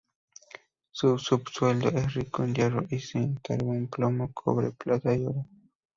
Su subsuelo es rico en hierro, zinc, carbón, plomo, cobre, plata y oro.